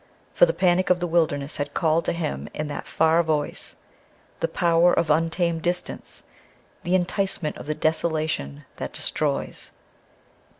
For the Panic of the Wilderness had called to him in that far voice the Power of untamed Distance the Enticement of the Desolation that destroys.